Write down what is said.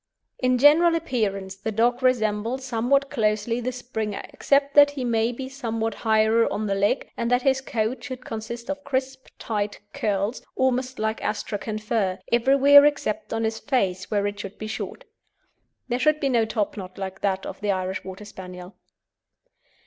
In general appearance the dog resembles somewhat closely the Springer, except that he may be somewhat higher on the leg, and that his coat should consist of crisp, tight curls, almost like Astrakhan fur, everywhere except on his face, where it should be short. There should be no topknot like that of the Irish Water Spaniel.